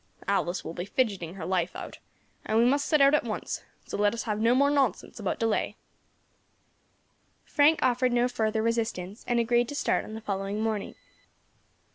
Alice will be fidgeting her life out, and we must set out at once; so let us have no more nonsense about delay." Frank offered no further resistance, and agreed to start on the following morning.